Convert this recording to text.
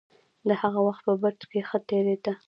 د هغه وخت په برج کې ښه تېرېده.